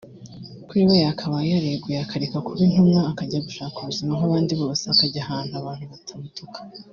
kuri we yakabaye yareguye akareka kuba Intumwa akajya gushaka ubuzima nk’abandi bose akajya ahantu abantu batamutuka